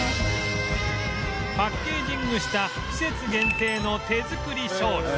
パッケージングした季節限定の手作り商品